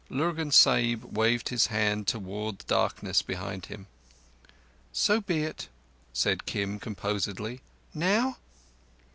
Lurgan Sahib waved his hand towards the darkness behind him. "So be it," said Kim composedly. "Now?"